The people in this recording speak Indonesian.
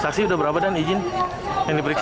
saksi sudah berapa dan izin yang diperiksa